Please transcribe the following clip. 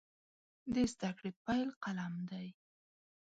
د زده کړې پیل قلم دی.